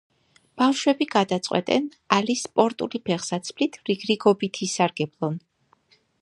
ბავშვები გადაწყვეტენ, ალის სპორტული ფეხსაცმლით რიგრიგობით ისარგებლონ.